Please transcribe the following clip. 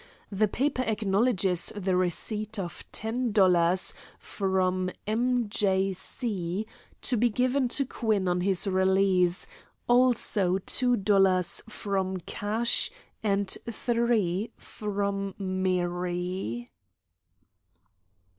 The paper acknowledges the receipt of ten dollars from M.J.C. to be given to Quinn on his release, also two dollars from Cash and three from Mary."